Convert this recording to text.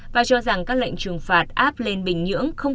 và cho rằng các lệnh trừng phạt áp lên bình nhưỡng không